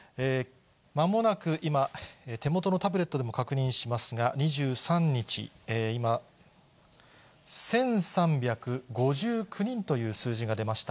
まもなく、今、手元のタブレットでも確認しますが、２３日、今、１３５９人という数字が出ました。